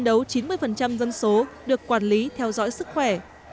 đã phấn đấu chín mươi dân số được quản lý theo dõi sức khỏe